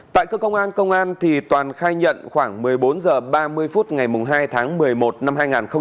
tại cơ công an công an thì toàn khai nhận khoảng một mươi bốn h ba mươi phút ngày hai tháng một mươi một năm hai nghìn hai mươi hai